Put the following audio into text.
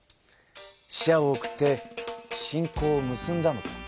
使者を送って親交を結んだのか。